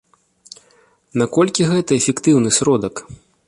Наколькі гэта эфектыўны сродак?